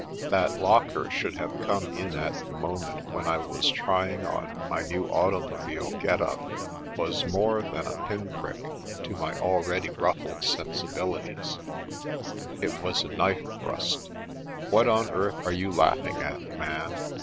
That Locker should have come in at the moment when I was trying on my new automobile get up was more thai* a pin prick to my already ruffled sensi bilities — it was a knife thrust. " What on earth are you laughing at, man